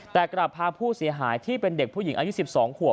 แต่กลับพาผู้เสียหายที่เป็นเด็กผู้หญิงอายุ๑๒ขวบ